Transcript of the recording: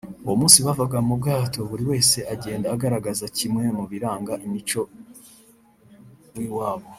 Uwo munsi bavaga mu bwato buri wese agenda agaragaza kimwe mu biranga imico w’iwabo